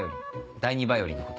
第２ヴァイオリンのこと。